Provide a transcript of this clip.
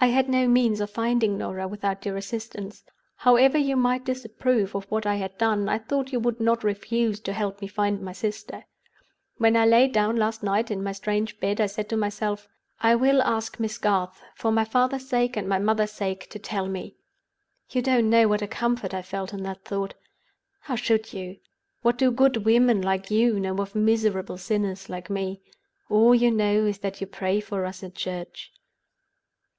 "I had no means of finding Norah without your assistance. However you might disapprove of what I had done, I thought you would not refuse to help me to find my sister. When I lay down last night in my strange bed, I said to myself, 'I will ask Miss Garth, for my father's sake and my mother's sake, to tell me.' You don't know what a comfort I felt in that thought. How should you? What do good women like you know of miserable sinners like me? All you know is that you pray for us at church.